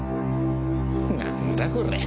何だこれ？